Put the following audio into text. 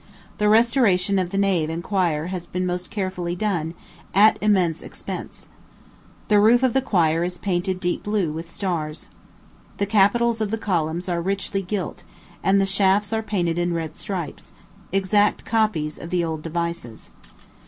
The restoration of the nave and choir has been most carefully done, at immense expense. The roof of the choir is painted deep blue, with stars. The capitals of the columns are richly gilt, and the shafts are painted in red stripes exact copies of the old devices.